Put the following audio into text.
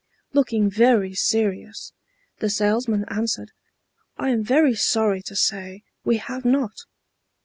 Looking very serious, the salesman answered, "I am very sorry to say we have not."